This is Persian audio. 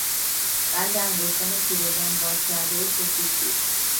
بند انگشتان پیرزن بادکرده و سفید بود.